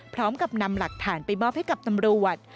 พร้อมกับนำหลักฐานไปมอบให้กับตำรวจ